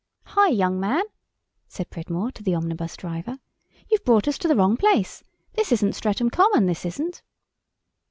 "Hi, young man!" said Pridmore to the omnibus driver, "you've brought us to the wrong place. This isn't Streatham Common, this isn't."